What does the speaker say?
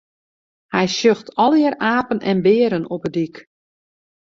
Hy sjocht allegear apen en bearen op 'e dyk.